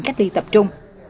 cách ly tập trung